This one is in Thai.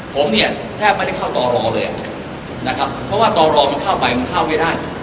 ผมเนี่ยแทบไม่ได้เข้าต่อรอเลยนะครับเพราะว่าต่อรอมันเข้าไปมันเข้าไม่ได้